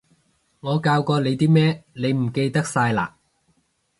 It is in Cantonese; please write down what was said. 我教過你啲咩，你唔記得晒嘞？